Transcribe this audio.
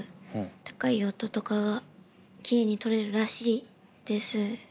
高い音とかがきれいに録れるらしいです。